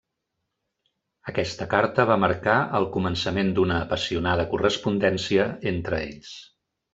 Aquesta carta va marcar el començament d'una apassionada correspondència entre ells.